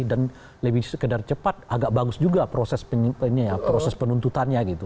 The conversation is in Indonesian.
dan lebih sekedar cepat agak bagus juga proses penuntutannya gitu